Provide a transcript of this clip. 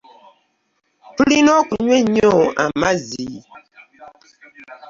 Tulina okunywa ennyo amazzi.